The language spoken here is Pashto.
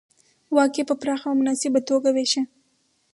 واک یې په پراخه او مناسبه توګه وېشه